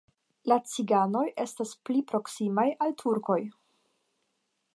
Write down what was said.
La ciganoj estas pli proksimaj al turkoj.